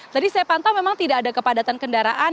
tadi saya pantau memang tidak ada kepadatan kendaraan